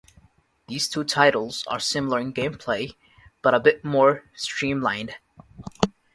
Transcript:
These two titles are similar in gameplay but a bit more stream-lined.